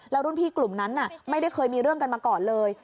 แล้วรุ่นพี่กลุ่มนั้นไม่ได้เคยมีเรื่องกันมาก่อนเลย